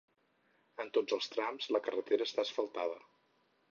En tots els trams la carretera està asfaltada.